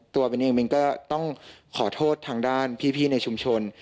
เบ้นเองมันก็ต้องขอโทษทางด้านพี่ในชุมชน